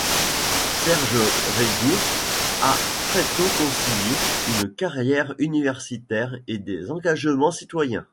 Serge Regourd a très tôt concilié une carrière universitaire et des engagements citoyens.